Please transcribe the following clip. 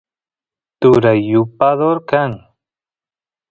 turay yupador kan